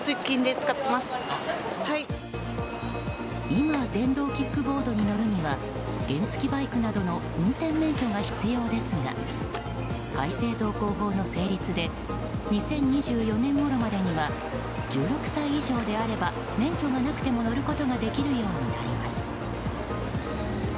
今、電動キックボードに乗るには原付きバイクなどの運転免許が必要ですが改正道交法の成立で２０２４年ごろまでには１６歳以上であれば免許がなくても乗ることができるようになります。